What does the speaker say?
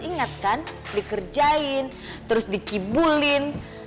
ingat kan dikerjain terus dikibulin